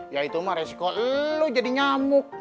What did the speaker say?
ya itu mah resiko lo jadi nyamuk